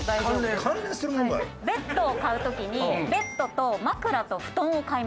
ベッドを買う時にベッドと枕と布団を買います。